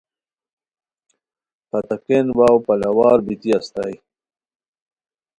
پھتا کین واؤ پلاوار بیتی استائے